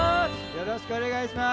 よろしくお願いします！